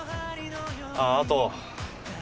あっあと。